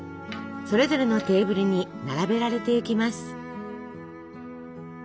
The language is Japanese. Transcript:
それぞれのテーブルに並べられていきます。